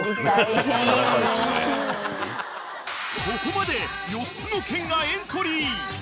［ここまで４つの県がエントリー］